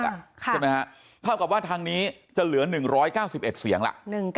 ใช่ไหมฮะเท่ากับว่าทางนี้จะเหลือ๑๙๑เสียงล่ะ